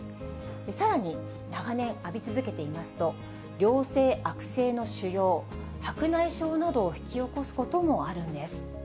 さらに長年、浴び続けていますと、良性、悪性の腫瘍、白内障などを引き起こすこともあるんです。